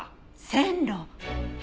線路。